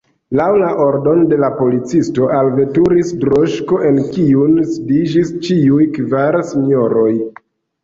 Laŭ la ordono de la policisto alveturis droŝko en kiun sidiĝis ĉiuj kvar sinjoroj.